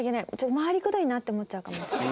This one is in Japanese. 回りくどいなって思っちゃうかも私。